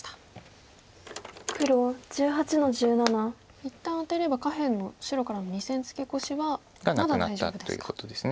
一旦アテれば下辺の白からの２線ツケコシはまだ大丈夫ですか。